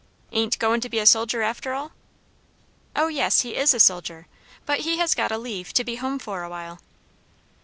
"Ain't goin' to be a soldier after all?" "O yes; he is a soldier; but he has got a leave, to be home for awhile."